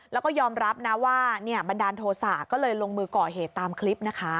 แล้วก็ยอมรับนะว่าบันดาลโทษะก็เลยลงมือก่อเหตุตามคลิปนะคะ